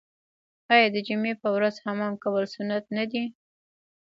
آیا د جمعې په ورځ حمام کول سنت نه دي؟